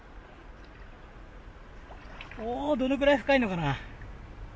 おどれくらい深いのかな。